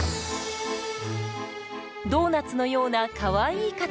ドーナツのようなかわいい形。